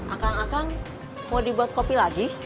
akan akang mau dibuat kopi lagi